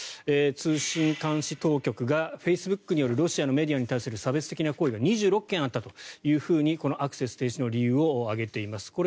通信監視当局がフェイスブックによるロシアのメディアに対する差別的な行為が２６件あったというふうにこのアクセス停止の理由を挙げています。